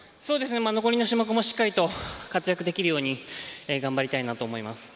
残りの種目もしっかりと活躍できるように頑張りたいなと思います。